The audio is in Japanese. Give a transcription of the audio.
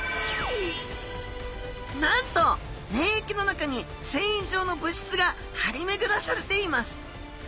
なんと粘液の中に繊維状の物質がはりめぐらされています。